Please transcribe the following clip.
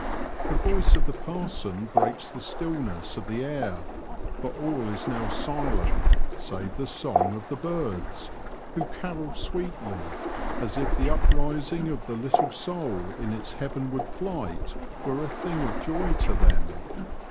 The voice of the parson breaks the stillness of the air, for all is now silent save the song of the birds, who carol sweetly, as if the uprising of the little soul in its heavenward flight were a thing of joy to them.